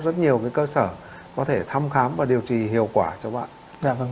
rất nhiều cái cơ sở có thể thăm khám và điều trị hiệu quả cho bạn